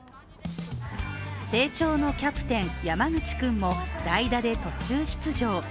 青鳥のキャプテン・山口君も代打で途中出場。